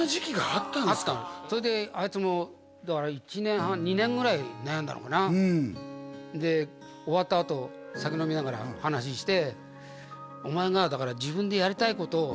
あったのそれであいつもだから１年半２年ぐらい悩んだのかなで終わったあと酒飲みながら話して「お前がだから自分でやりたいことを」